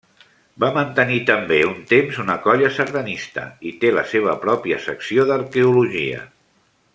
Va mantenir també un temps una colla sardanista i té la seva pròpia secció d'arqueologia.